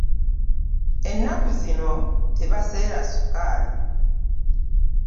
Ennaku zino tebaseera sukaali.